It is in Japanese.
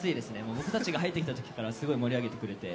僕たちが入ってきたときから盛り上げてくれて